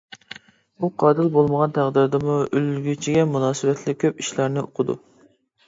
ئۇ قاتىل بولمىغان تەقدىردىمۇ ئۆلگۈچىگە مۇناسىۋەتلىك كۆپ ئىشلارنى ئۇقىدۇ.